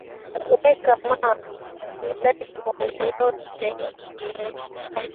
Weka ma mbeko yote mu sakoshi